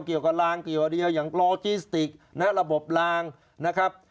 เกี่ยวกับรางเกี่ยวกับอย่างเดียวอย่างลอจิสติกนะระบบรางนะครับ